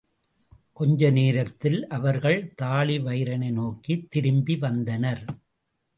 கொஞ்ச நேரத்தில் அவர்கள் தாழிவயிறனை நோக்கித் திரும்பி வந்தனர்.